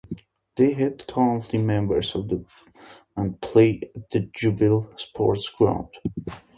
They are currently members of the and play at the Jubilee Sports Ground.